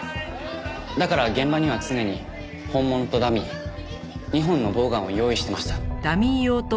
だから現場には常に本物とダミー２本のボウガンを用意していました。